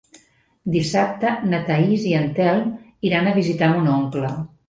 Dissabte na Thaís i en Telm iran a visitar mon oncle.